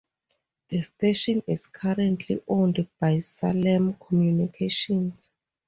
The station is currently owned by Salem Communications.